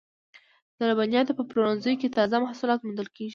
د لبنیاتو په پلورنځیو کې تازه محصولات موندل کیږي.